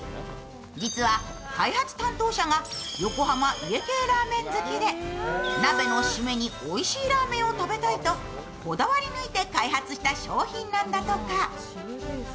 実は開発担当者が横浜家系ラーメン好きで鍋の締めにおいしいラーメンを食べたいとこだわり抜いて開発した商品なんだとか。